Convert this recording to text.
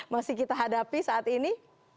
masih kita hadapi saat ini